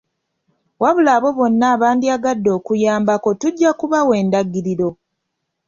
Wabula abo bonna abandyagadde okuyambako tujja kubawa endagiriro.